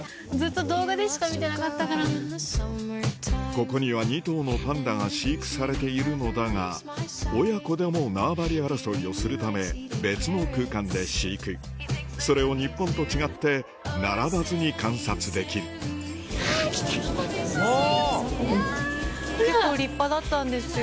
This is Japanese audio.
ここには２頭のパンダが飼育されているのだが親子でも縄張り争いをするため別の空間で飼育それを日本と違って並ばずに観察できる結構立派だったんですよ。